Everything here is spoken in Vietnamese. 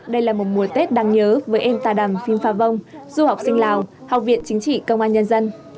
đây là một mùa tết đáng nhớ với em tà đàm phim pha vong du học sinh lào học viện chính trị công an nhân dân